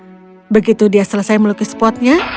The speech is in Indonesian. kembali meluki sportnya begitu dia selesai melukis potnya dia berlang